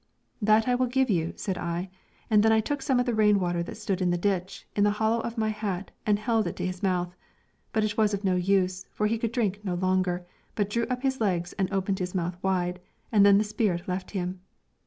'That I will give you,' said I, and then I took some of the rainwater that stood in the ditch, in the hollow of my hat, and held it to his mouth. But that was of no use, for he could drink no longer, but drew up his legs and opened his mouth wide, and then the spirit left him.